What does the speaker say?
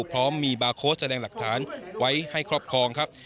พร้อมมีบาร์โค้ชแสดงหลักฐานไว้ให้ครอบครองครับ